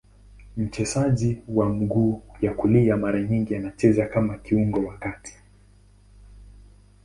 Mchezaji wa mguu ya kulia, mara nyingi anacheza kama kiungo wa kati.